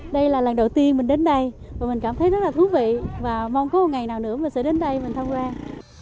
đây là lần đầu tiên mình đến đây và mình cảm thấy rất là thú vị và mong có một ngày nào nữa mình sẽ đến đây mình tham quan